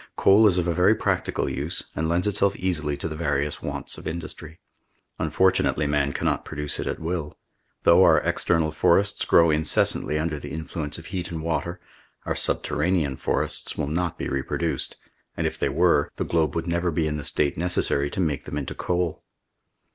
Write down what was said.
Coal is of a very practical use, and lends itself easily to the various wants of industry. Unfortunately man cannot produce it at will. Though our external forests grow incessantly under the influence of heat and water, our subterranean forests will not be reproduced, and if they were, the globe would never be in the state necessary to make them into coal."